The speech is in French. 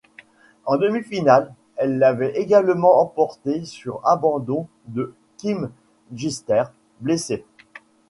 En demi-finale, elle l'avait également emporté sur abandon de Kim Clijsters, blessée.